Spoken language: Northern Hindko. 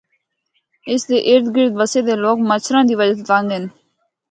اس دے اردگرد بسے دے لوگ مچھراں دی وجہ تنگ ہن۔